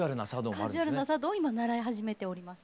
カジュアルな茶道を今習い始めております。